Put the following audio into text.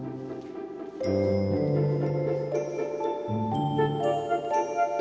itu di situ bu